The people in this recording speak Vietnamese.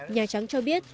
nhà trắng cho biết